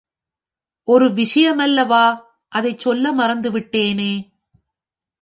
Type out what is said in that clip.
ஒரு விஷயமல்லவா, அதைச் சொல்ல மறந்து விட்டேனே.